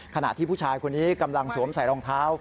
ขณะที่ผู้ชายคนนี้กำลังสวมใส่รองเท้า